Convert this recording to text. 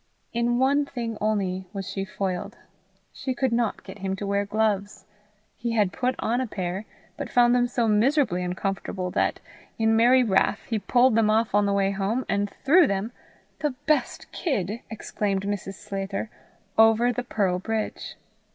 In one thing only was she foiled: she could not get him to wear gloves. He had put on a pair, but found them so miserably uncomfortable that, in merry wrath, he pulled them off on the way home, and threw them "The best kid!" exclaimed Mrs. Sclater over the Pearl Bridge.